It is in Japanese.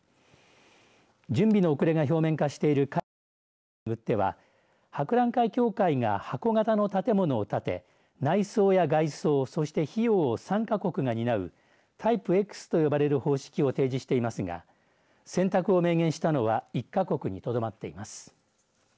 準備の遅れが表面化している海外パビリオンを巡っては博覧会協会が箱形の建物を建て内装や外装そして費用を参加国が担うタイプＸと呼ばれる方式を提示していますが選択を明言したのは１か国にとどまっています。